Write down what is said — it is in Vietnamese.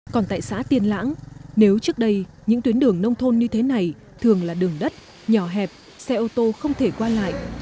còn tại xã tiên lãng nếu trước đây những tuyến đường nông thôn như thế này thường là đường đất nhỏ hẹp xe ô tô không thể qua lại